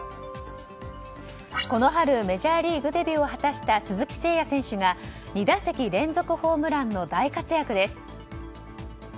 この春メジャーリーグデビューを果たした鈴木誠也選手が２打席連続ホームランの大活躍です。